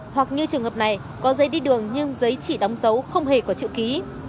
hoặc như trường hợp này có giấy đi đường nhưng giấy chỉ đóng dấu không hề có chữ ký